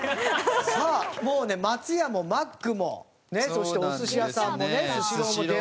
さあもうね松屋もマックもそしてお寿司屋さんもねスシローも出ましたよ。